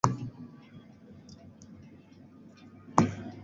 la kifahari katika vilima vya Sekuku jiji la Kampala na nyumba nzuri sana aliyoinunua